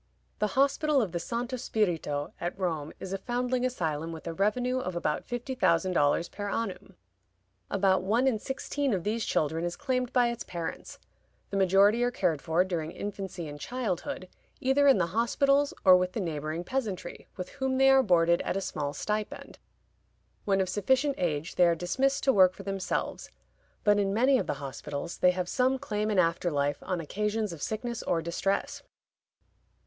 The Hospital of the Santo Spirito at Rome is a foundling asylum with a revenue of about fifty thousand dollars per annum. About one in sixteen of these children is claimed by its parents; the majority are cared for, during infancy and childhood, either in the hospitals or with the neighboring peasantry, with whom they are boarded at a small stipend. When of sufficient age they are dismissed to work for themselves; but in many of the hospitals they have some claim in after life on occasions of sickness or distress.